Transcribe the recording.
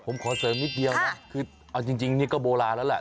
ผมขอเสริมนิดเดียวนะคือเอาจริงนี่ก็โบราณแล้วแหละ